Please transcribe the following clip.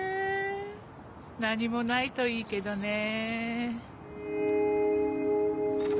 何もないといいけどね。ねぇ？